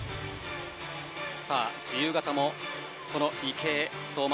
さあ、自由形も池江、相馬